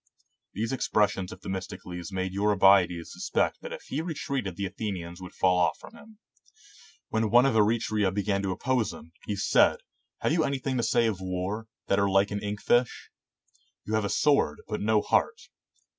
These expressions of Themistocles made Eurybiades suspect that if he re treated the Athenians would fall off from him. When one of Eretria began to oppose him, he said, " Have you "5 GREECE anything to say of war, that are like an ink fish? You have a sword, but no heart."